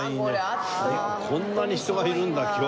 こんなに人がいるんだ今日。